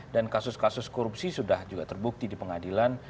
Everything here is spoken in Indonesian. dan kasus kasus korupsi sudah juga terbukti di pengadilan